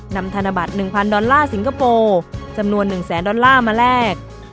ธนบัตร๑๐๐ดอลลาร์สิงคโปร์จำนวน๑แสนดอลลาร์มาแลก